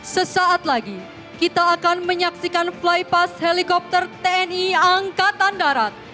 sesaat lagi kita akan menyaksikan flypass helikopter tni angkatan darat